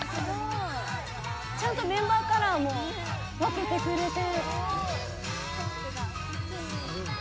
ちゃんとメンバーカラーも分けてくれて。